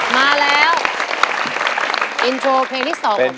มาแล้ว